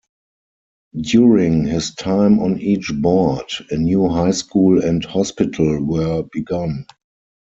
During his time on each board, a new high school and hospital were begun.